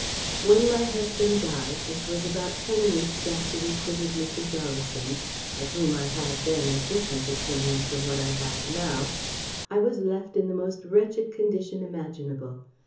"When my husband died, which was about ten weeks after we quitted Mrs. Ellison's, of whom I had then a different opinion from what I have now, I was left in the most wretched condition imaginable.